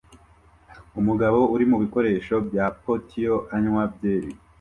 Umugabo uri mubikoresho bya patio anywa byeri